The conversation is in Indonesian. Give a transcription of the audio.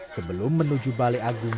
sebelum menuju balai agung